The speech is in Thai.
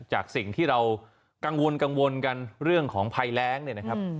จากสิ่งที่เรากังวลกังวลกันเรื่องของภัยแรงเนี่ยนะครับ